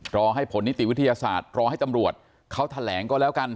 รอให้ผลนิติวิทยาศาสตร์รอให้ตำรวจเขาแถลงก็แล้วกัน